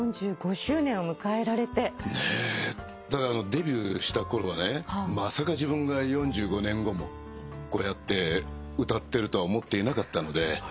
デビューしたころはねまさか自分が４５年後もこうやって歌ってるとは思っていなかったので。